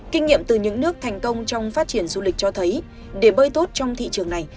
kinh nghiệm từ những nước thành công trong phát triển du lịch cho thấy để bơi tốt trong thị trường này